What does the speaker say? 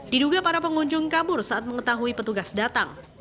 diduga para pengunjung kabur saat mengetahui petugas datang